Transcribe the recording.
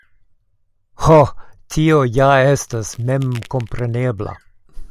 Ho! tio ja estas memkomprenebla.